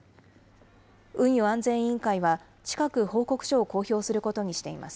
運輸安全委員会は、近く報告書を公表することにしています。